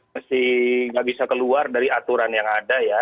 masih nggak bisa keluar dari aturan yang ada ya